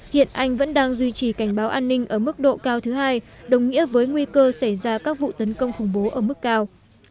hiện anh vẫn đang duy trì cảnh báo an ninh ở mức độ cao thứ hai đồng nghĩa với nguy cơ xảy ra các vụ tấn công khủng bố ở mức cao